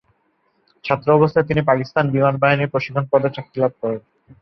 ছাত্র অবস্থায় তিনি পাকিস্তান বিমান বাহিনীর প্রশিক্ষণ পদে চাকরি লাভ করেন।